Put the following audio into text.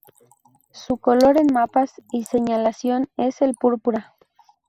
Su color en mapas y señalización es el púrpura.